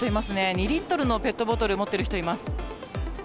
２リットルのペットボトル持っている人います。